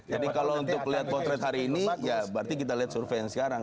kalau untuk melihat potret hari ini ya berarti kita lihat survei yang sekarang